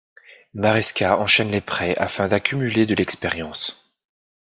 Maresca enchaine les prêts afin d’accumuler de l’expérience.